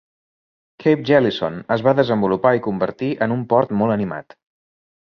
Cape Jellison es va desenvolupar i convertir en un port molt animat.